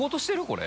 これ。